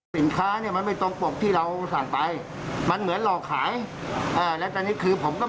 ดำเหรียญดำเหรียญหวดย่าพอมาอยู่ใกล้มือพอดี